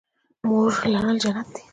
مور لرل جنت دی